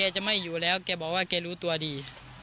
จะไม่อยู่แล้วแกบอกว่าแกรู้ตัวดี